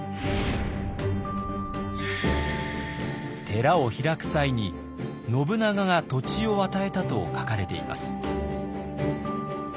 寺を開く際に信長が土地を与えたと書かれています。